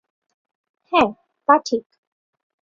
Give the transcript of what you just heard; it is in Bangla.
হ্যাঁ, তা ঠিক।